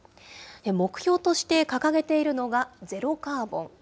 目標として掲げているのが、ゼロカーボン。